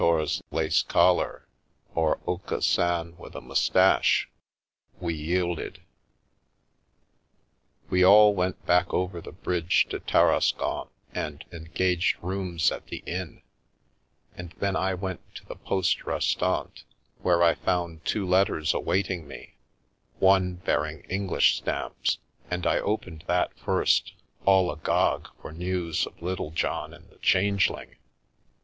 lace collar, or Aucassin with a moustache, we yielded. We all went back over the bridge to Tarascon and engaged rooms at an inn, and then I went to the Poste Restante, where I found two letters awaiting me, one bearing English stamps, and I opened that first, all agog for news of Little John and the Changeling.